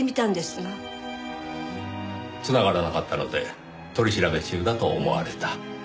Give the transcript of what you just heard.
繋がらなかったので取り調べ中だと思われた。